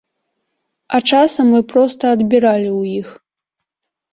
А часам мы проста адбіралі ў іх.